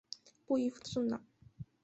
不依附政党！